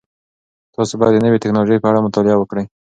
تاسو باید د نوې تکنالوژۍ په اړه مطالعه وکړئ.